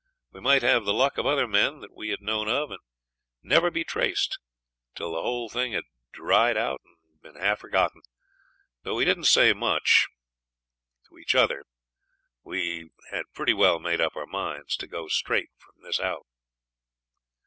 We might have the luck of other men that we had known of, and never be traced till the whole thing had died out and been half forgotten. Though we didn't say much to each other we had pretty well made up our minds to go straight from this out.